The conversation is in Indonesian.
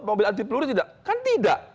mobil anti peluru tidak kan tidak